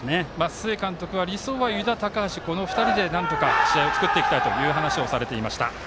須江監督は理想は湯田、高橋、この２人で試合を作っていきたいという話をされていました。